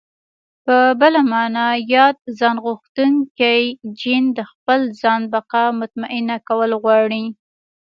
په بله مانا ياد ځانغوښتونکی جېن د خپل ځان بقا مطمينه کول غواړي.